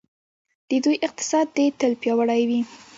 د دوی اقتصاد دې تل پیاوړی وي.